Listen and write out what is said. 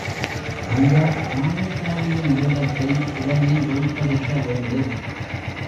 அந்த மாயக்காரியின் வேடத்தை உடனே வெளிப்படுத்த வேண்டும்.